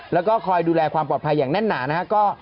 แล้วก็คอยดูแลความปลอดภัยอย่างแน่นหนานะครับ